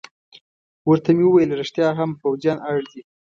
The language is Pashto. ورته مې وویل: رښتیا هم، پوځیان اړ دي.